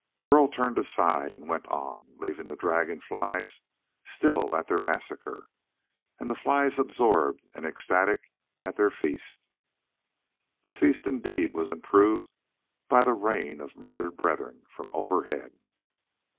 Burl turned aside and went on, leaving the dragonflies still at their massacre and the flies absorbed and ecstatic at their feast. The feast, indeed, was improved by the rain of murdered brethren from overhead.